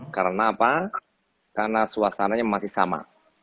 karena apa karena suasananya masih sama